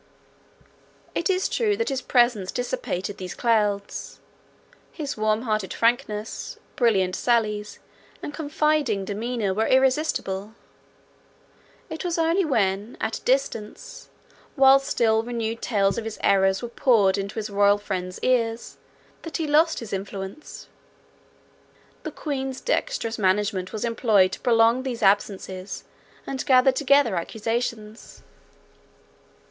It is true that his presence dissipated these clouds; his warm hearted frankness, brilliant sallies, and confiding demeanour were irresistible: it was only when at a distance, while still renewed tales of his errors were poured into his royal friend's ear, that he lost his influence. The queen's dextrous management was employed to prolong these absences, and gather together accusations.